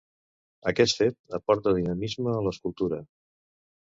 Aquest fet aporta dinamisme a l'escultura.